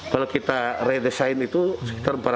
kalau kita redesain itu sekitar empat ratus